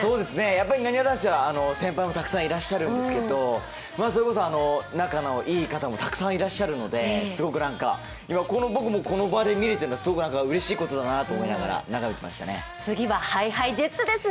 なにわ男子は先輩もたくさんいらっしゃるんですけどそれこそ仲のいい方もたくさんいらっしゃるのですごく僕もこの場で見れているのはうれしいことだなと思いながら見ていました。